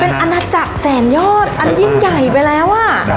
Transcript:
เป็นอาณาจักรแสนยอดอันยิ่งใหญ่ไปแล้วอ่ะ